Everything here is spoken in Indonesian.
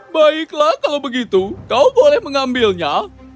baiklah kalau begitu kau boleh mengambilnya